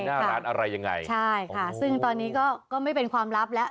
หน้าร้านอะไรยังไงใช่ค่ะซึ่งตอนนี้ก็ก็ไม่เป็นความลับแล้ว